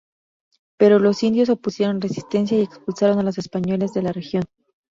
Pero los indios opusieron resistencia y expulsaron a los españoles de la región.